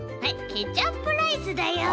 ケチャップライスだよ。